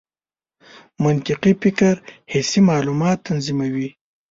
منطقي فکر حسي معلومات تنظیموي.